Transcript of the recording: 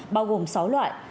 bao gồm sáu loại